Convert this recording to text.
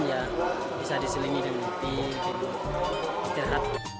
ya bisa diselingi dengan mimpi dan berhati hati